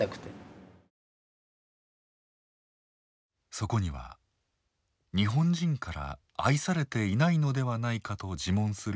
そこには日本人から愛されていないのではないかと自問する